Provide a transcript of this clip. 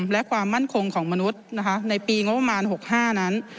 และความมั่นคงของมนุษย์ในปีงบประมาณ๖๕นั้น